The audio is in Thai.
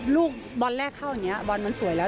ลูกบอลแรกเข้าอย่างนี้บอลมันสวยแล้ว